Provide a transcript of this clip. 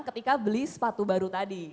ketika beli sepatu baru tadi